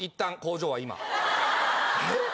えっ！？